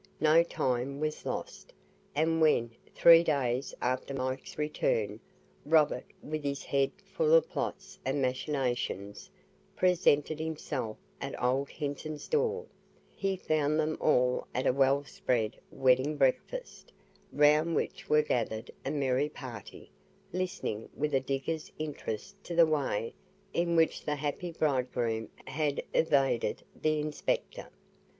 No time was lost; and when, three days after Mike's return, Robert (with his head full of plots and machinations) presented himself at old Hinton's door, he found them all at a well spread wedding breakfast, round which were gathered a merry party, listening with a digger's interest to the way in which the happy bridegroom had evaded the inspector.